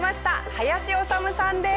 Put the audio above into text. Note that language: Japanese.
林修さんです。